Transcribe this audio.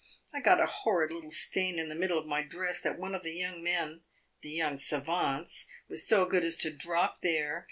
I got a horrid little stain in the middle of my dress that one of the young men the young savants was so good as to drop there.